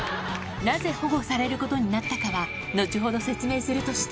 なぜ保護されることになったかは後ほど説明するとして。